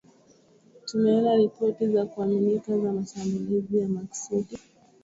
Tumeona ripoti za kuaminika za mashambulizi ya makusudi dhidi ya raia ambayo chini ya mikataba ya Geneva